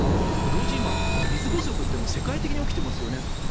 同時に今、水不足って世界的に起きていますよねと。